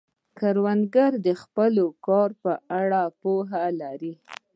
کروندګر د خپل کار په اړه پوهه لري